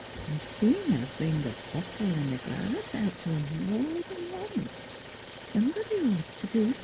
I seen her bring a bottle 'n' a glass out t' him more 'n once. ... Some body 'd ought t' do somethin'."